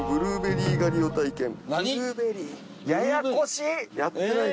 ややこしい。